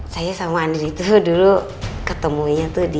saya sama andi itu dulu ketemunya tuh di